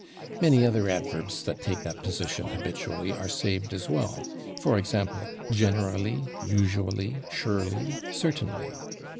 Many other adverbs that take that position habitually are saved as well, for example, /generally/, /usually/, /surely/, /certainly